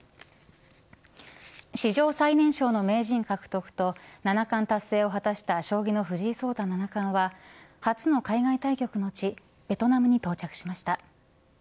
史上最年少の名人獲得と七冠を達成を果たした将棋の藤井聡太七冠は初の海外対局の地ベトナムに到着しました。